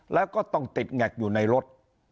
แล้วก็ต้องติดแงกอยู่ในรถ